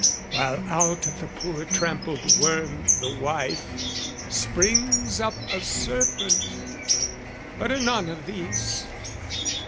While out of the poor trampled worm the wife, Springs up a serpent! But anon of these!